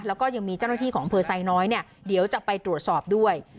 แล้วก็ยังมีเจ้าหน้าที่ของอำเภอไซน้อยเนี่ยเดี๋ยวจะไปตรวจสอบด้วย